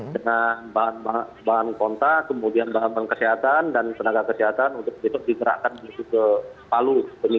dengan bahan kontak kemudian bahan bahan kesehatan dan tenaga kesehatan untuk besok digerakkan menuju ke palu